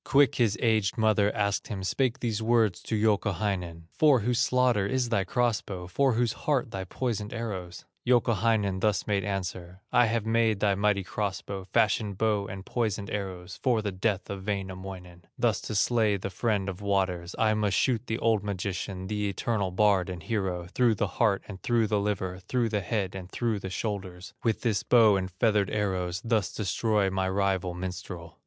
Quick his aged mother asked him, Spake these words to Youkahainen: "For whose slaughter is thy cross bow, For whose heart thy poisoned arrows?" Youkahainen thus made answer: "I have made this mighty cross bow, Fashioned bow and poisoned arrows For the death of Wainamoinen, Thus to slay the friend of waters; I must shoot the old magician, The eternal bard and hero, Through the heart, and through the liver, Through the head, and through the shoulders, With this bow and feathered arrows Thus destroy my rival minstrel."